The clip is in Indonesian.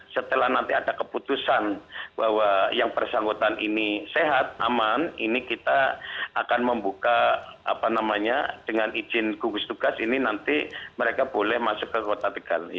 setelah nanti ada keputusan bahwa yang bersangkutan ini sehat aman ini kita akan membuka apa namanya dengan izin gugus tugas ini nanti mereka boleh masuk ke kota tegal